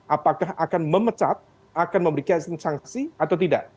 apakah akan memecat akan memberikan sanksi atau tidak